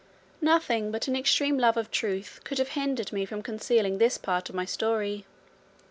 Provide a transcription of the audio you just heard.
Nothing but an extreme love of truth could have hindered me from concealing this part of my story.